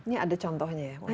ini ada contohnya ya